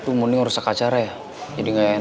itu mending urus ke acara ya jadi gak enak nih